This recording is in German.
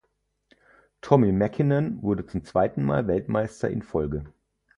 Tommi Mäkinen wurde zum zweiten Mal Weltmeister in Folge.